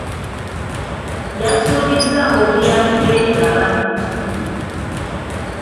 Yasuubizza obuyambi eri abantu mu kitundu.